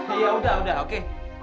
iya udah udah oke